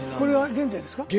現在です。